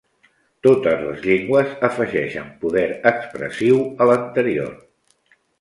Totes les llengües afegeixen poder expressiu a l'anterior.